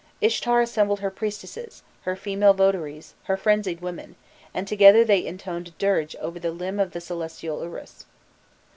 Ishtar assembled her priestesses, her female votaries, her frenzied women, and together they intoned a dirge over the limb of the celestial urus.